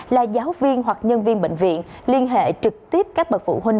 là giáo viên hoặc nhân viên bệnh viện liên hệ trực tiếp các bậc phụ huynh